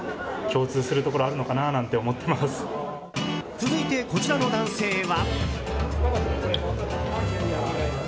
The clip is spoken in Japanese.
続いて、こちらの男性は。